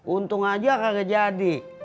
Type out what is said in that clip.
untung aja kagak jadi